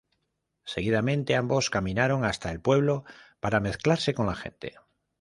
Seguidamente ambos caminaron hasta el pueblo para mezclarse con la gente.